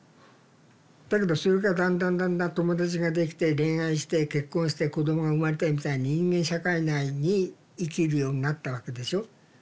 だけどそれがだんだんだんだん友達ができて恋愛して結婚して子供が生まれてみたいに人間社会内に生きるようになったわけでしょ。